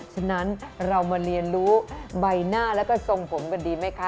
ฉะนั้นเรามาเรียนรู้ใบหน้าแล้วก็ทรงผมกันดีไหมคะ